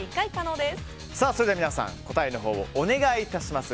それでは皆さん答えをお願いします。